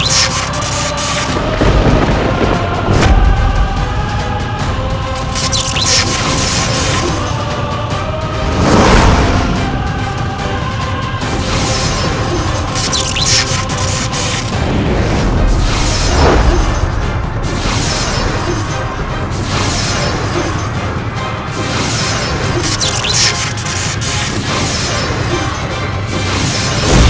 sepertinya dia ada disini